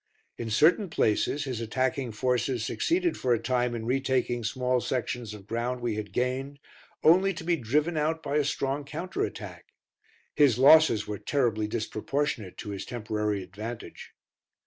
In certain places his attacking forces succeeded for a time in retaking small sections of ground we had gained, only to be driven out by a strong counter attack. His losses were terribly disproportionate to his temporary advantage.